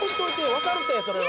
わかるってそれは。